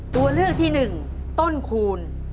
ตัวเลือกที่๑ต้นคูณ